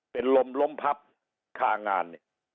เป็นลมล้มพับคางาน